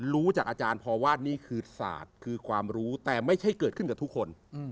รู้จากอาจารย์พอว่านี่คือศาสตร์คือความรู้แต่ไม่ใช่เกิดขึ้นกับทุกคน